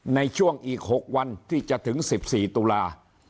ในช่วงอีกหกวันที่จะถึงสิบสี่ตุลาปี